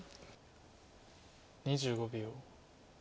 ２５秒。